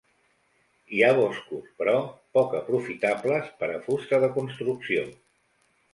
Hi ha boscos, però poc aprofitables per a fusta de construcció.